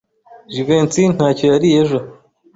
Jivency ntacyo yariye ejo.